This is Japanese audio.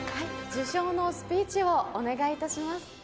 受賞のスピーチをお願いいたします。